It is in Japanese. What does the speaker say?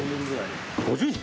５０人？